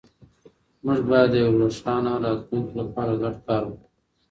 موږ باید د یو روښانه راتلونکي لپاره ګډ کار وکړو.